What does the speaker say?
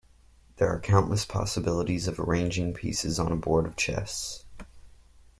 There are countless possibilities of arranging pieces on a board of chess.